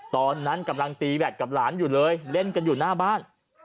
ตอนนั้นกำลังตีแดดกับหลานอยู่เลยเล่นกันอยู่หน้าบ้าน